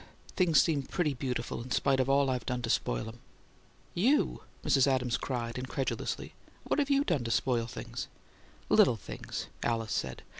things seem pretty beautiful in spite of all I've done to spoil 'em." "You?" Mrs. Adams cried, incredulously. "What have you done to spoil anything?" "Little things," Alice said.